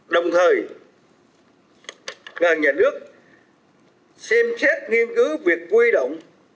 đồng thời ngân hàng nhà nước xem xét nghiên cứu việc quy động